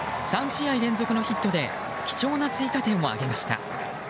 ３試合連続のヒットで貴重な追加点を挙げました。